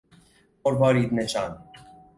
مروارید نشان